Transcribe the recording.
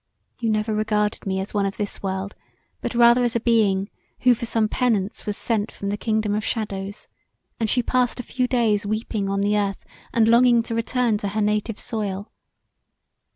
You never regarded me as one of this world, but rather as a being, who for some penance was sent from the Kingdom of Shadows; and she passed a few days weeping on the earth and longing to return to her native soil.